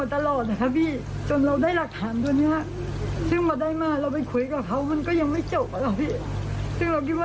ตอนนี้น้องก็มีภาวะออกจากเสร็จเรื้อรังนะคะ